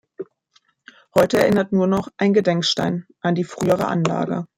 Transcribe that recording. Heute erinnert nur noch ein Gedenkstein an die frühere Anlage.